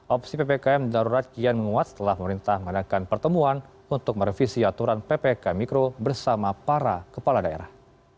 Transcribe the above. opsi ppkm darurat kian menguat setelah pemerintah mengadakan pertemuan untuk merevisi aturan ppkm mikro bersama para kepala daerah